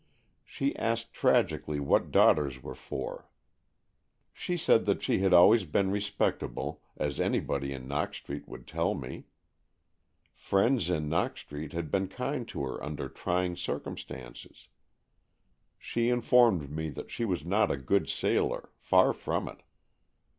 She asked tragically what daughters were for. She said that she had always been respect able, as anybody in Knox Street would tell me. Friends in Knox Street had been kind to her under trying circumstances. She in formed me that she was not a good sailor, far from it.